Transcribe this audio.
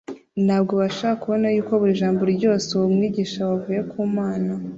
ntabwo bashakaga kubona yuko buri jambo ryose uwo mwigisha wavuye ku mana